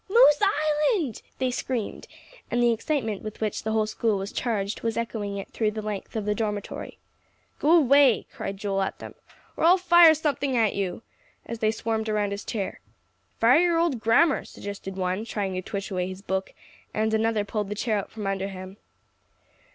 "Moose Island!" they screamed, and the excitement with which the whole school was charged was echoing it through the length of the dormitory. "Go away," cried Joel at them, "or I'll fire something at you," as they swarmed around his chair. "Fire your old grammar," suggested one, trying to twitch away his book; and another pulled the chair out from under him.